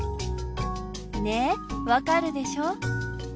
ねっわかるでしょ。